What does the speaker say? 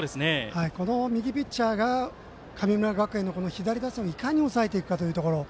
この右ピッチャーが神村学園の左打者をいかに抑えていくかというところ。